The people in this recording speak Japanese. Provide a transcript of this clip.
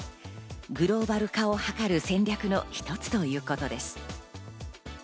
グローバル化を図る戦略の一つということです。